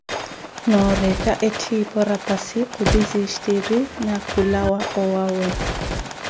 Noorettha etthipo rapasi khutizistiri, na khulawa owawe.